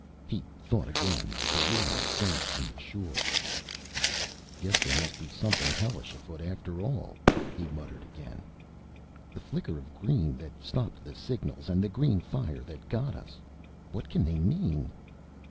He thought again of the warning flashed from the shore. "Guess there must be something hellish afoot after all," he muttered again. "The flicker of green that stopped the signals, and the green fire that got us what can they mean?"